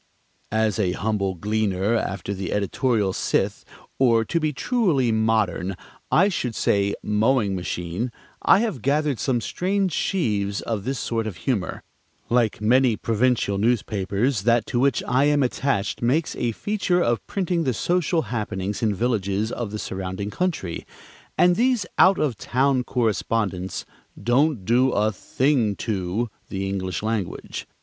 As a humble gleaner after the editorial scythe, or, to be truly modern, I should say mowing machine, I have gathered some strange sheaves of this sort of humor. Like many provincial newspapers, that to which I am attached makes a feature of printing the social happenings in villages of the surrounding country, and these out of town correspondents "don't do a thing to" the English language.